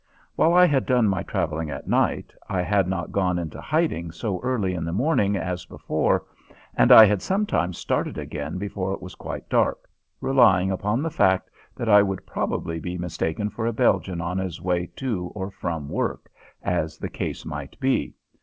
While I had done my traveling at night, I had not gone into hiding so early in the morning as before, and I had sometimes started again before it was quite dark, relying upon the fact that I would probably be mistaken for a Belgian on his way to or from work, as the case might be.